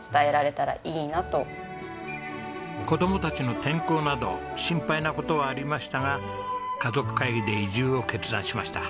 子どもたちの転校など心配な事はありましたが家族会議で移住を決断しました。